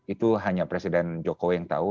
itu hanya presiden jokowi yang tahu